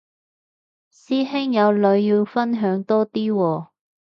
師兄有女要分享多啲喎